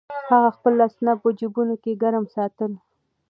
هغه خپل لاسونه په جېبونو کې ګرم ساتل.